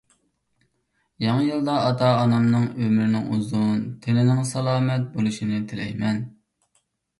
يېڭى يىلدا ئاتا-ئانامنىڭ ئۆمرىنىڭ ئۇزۇن، تېنىنىڭ سالامەت بولۇشىنى تىلەيمەن.